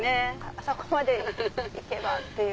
あそこまで行けばっていう。